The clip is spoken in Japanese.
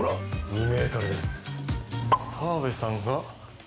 澤部さんが。